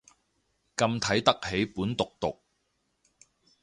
咁睇得起本毒毒